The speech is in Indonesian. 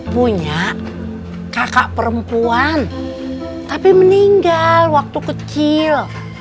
punya kakak perempuan tapi meninggal waktu kecil